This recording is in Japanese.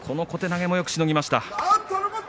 小手投げもよくしのぎました。